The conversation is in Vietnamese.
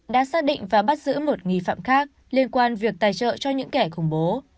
đã xác định và bắt giữ một nghi phạm khác liên quan việc tài trợ cho những kẻ khủng bố